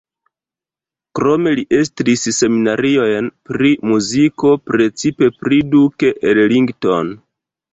Krome li estris seminariojn pri muziko, precipe pri Duke Ellington.